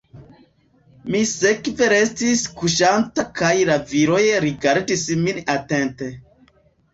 Mi sekve restis kuŝanta kaj la viroj rigardis min atente.